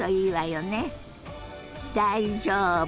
「大丈夫？」。